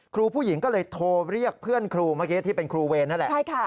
ครูผู้หญิงก็เลยโทรเรียกเพื่อนครูเมื่อกี้ที่เป็นครูเวรนั่นแหละ